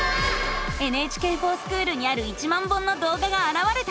「ＮＨＫｆｏｒＳｃｈｏｏｌ」にある１万本のどうががあらわれたよ。